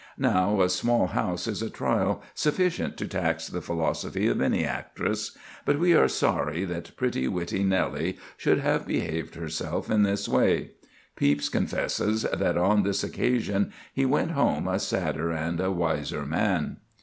Now, a small house is a trial sufficient to tax the philosophy of any actress; but we are sorry that pretty, witty Nelly, should have behaved herself in this way. Pepys confesses that on this occasion he went home a sadder and a wiser man.